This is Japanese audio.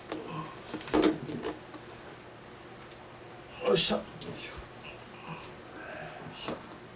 よいしょ。